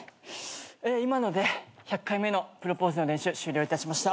今ので１００回目のプロポーズの練習終了いたしました。